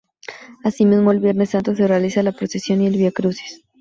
Así mismo el viernes santo se realiza la procesión y el viacrucis.